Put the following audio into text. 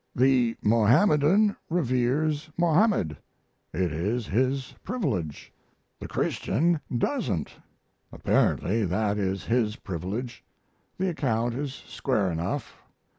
The Mohammedan reveres Mohammed it is his privilege; the Christian doesn't apparently that is his privilege; the account is square enough.